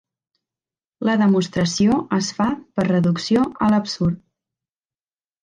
La demostració es fa per reducció a l'absurd.